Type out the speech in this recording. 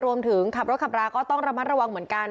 ขับรถขับราก็ต้องระมัดระวังเหมือนกัน